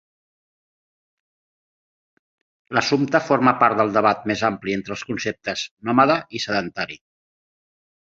L'assumpte forma part del debat més ampli entre els conceptes "nòmada" i "sedentari".